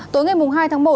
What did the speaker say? tối ngày hai tháng một